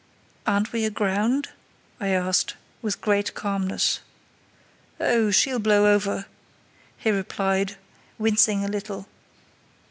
"Aren't we aground?" I asked with great calmness. "Oh, she'll blow over," he replied, wincing a little.